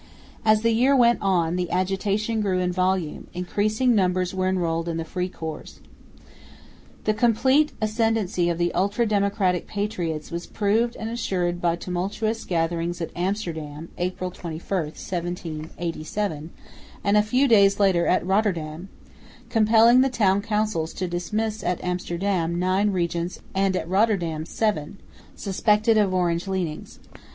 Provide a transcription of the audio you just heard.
As the year went on the agitation grew in volume; increasing numbers were enrolled in the free corps. The complete ascendancy of the ultra democratic patriots was proved and assured by tumultuous gatherings at Amsterdam (April 21, 1787), and a few days later at Rotterdam, compelling the Town Councils to dismiss at Amsterdam nine regents and at Rotterdam seven, suspected of Orange leanings.